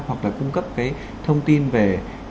hoặc là cung cấp thông tin về